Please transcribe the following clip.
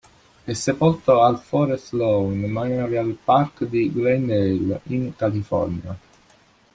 È sepolto al Forest Lawn Memorial Park di Glendale, in California